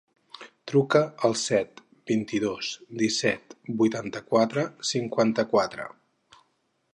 Truca al set, vint-i-dos, disset, vuitanta-quatre, cinquanta-quatre.